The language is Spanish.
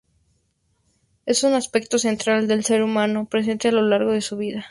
Es un aspecto central del ser humano presente a lo largo de su vida.